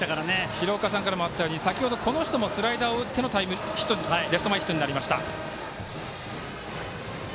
廣岡さんからもありましたように先ほどこの人もスライダーを打ってのレフト前ヒットになりました。